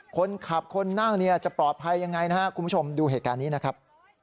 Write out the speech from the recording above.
คนขับคนนั่งเนี่ยจะปลอดภัยยังไงนะครับคุณผู้ชมดูเหตุการณ์นี้นะครับ